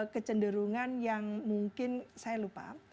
kecenderungan yang mungkin saya lupa